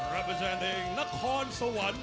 รับทรัพย์ของนัทธรรมสุวรรณ